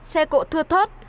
xe cộ thưa thớt